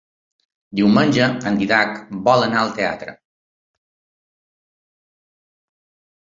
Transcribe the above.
Diumenge en Dídac vol anar al teatre.